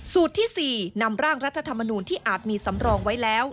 ที่๔นำร่างรัฐธรรมนูลที่อาจมีสำรองไว้แล้ว